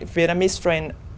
vì tôi không